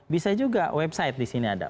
bisa juga website di sini ada